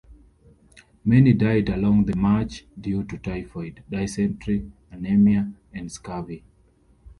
Many died along the march due to typhoid, dysentery, anemia, and scurvy.